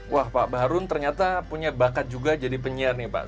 wah pak bahrun ternyata punya bakat juga jadi penyiar nih pak